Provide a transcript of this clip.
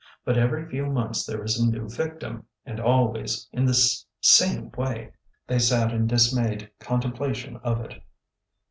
But every few months there is a new victim— and always in this same way." They sat in dismayed contemplation of it.